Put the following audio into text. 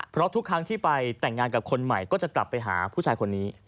เพราะทุกครั้งที่ไปแต่งงานกับคนใหม่ก็จะกลับไปหาผู้ชายคนนี้